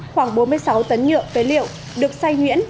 khoảng bốn mươi sáu tấn nhựa phế liệu được xay nhuyện